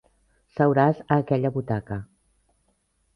Seuràs a aquella butaca.